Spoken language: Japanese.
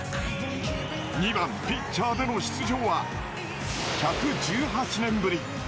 ２番・ピッチャーでの出場は１１８年ぶり。